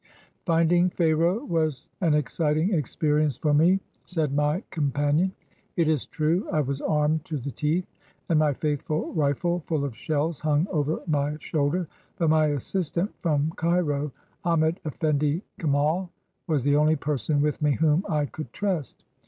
"Finding Pharaoh was an exciting experience for me," 169 EGYPT said my companion. "It is true I was armed to the teeth, and my faithful rifle, full of shells, hung over my shoulder; but my assistant from Cairo, Ahmed Effendi Kemal, was the only person with me whom I could trust.